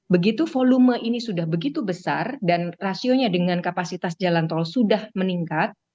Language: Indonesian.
begitu volume ini sudah begitu besar dan rasionya dengan kapasitas jalan tol sudah meningkat